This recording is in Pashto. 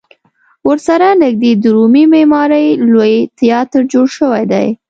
ورسره نږدې د رومي معمارۍ لوی تیاتر جوړ شوی دی.